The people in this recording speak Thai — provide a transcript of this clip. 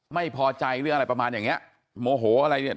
ไม่พอใจหรืออะไรประมาณอย่างเนี้ยโมโหอะไรเนี่ย